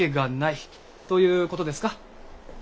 という事ですか？